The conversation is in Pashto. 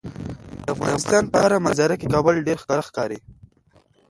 د افغانستان په هره منظره کې کابل ډیر ښکاره ښکاري.